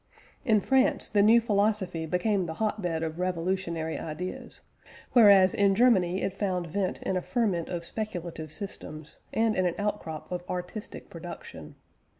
In France the new philosophy became the hot bed of revolutionary ideas; whereas in Germany it found vent in a ferment of speculative systems, and in an outcrop of artistic production.